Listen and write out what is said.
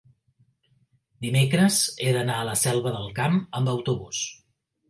dimecres he d'anar a la Selva del Camp amb autobús.